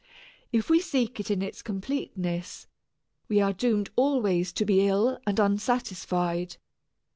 If we seek it in its completeness, we are doomed always to be ill and unsatisfied.